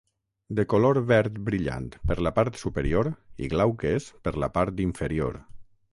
De color verd brillant per la part superior i glauques per la part inferior.